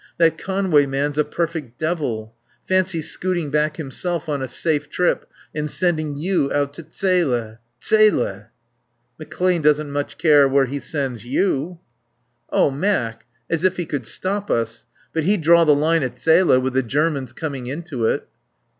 That Conway man's a perfect devil. Fancy scooting back himself on a safe trip and sending you out to Zele. Zele!" "McClane doesn't care much where he sends you." "Oh, Mac As if he could stop us. But he'd draw the line at Zele, with the Germans coming into it."